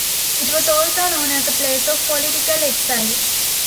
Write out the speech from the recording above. It was also known as a place of political exile.